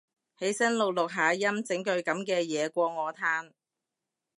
起身錄錄下音整句噉嘅嘢過我嘆